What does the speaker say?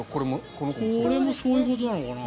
これもそういうことなのかな。